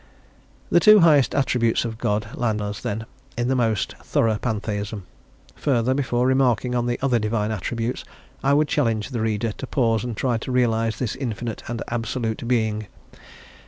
The two highest attributes of God land us, then, in the most thorough Pantheism; further, before remarking on the other divine attributes, I would challenge the reader to pause and try to realise this infinite and absolute being.